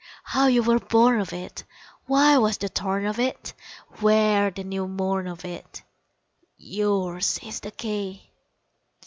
How you were born of it? Why was the thorn of it? Where the new morn of it? Yours is the Key!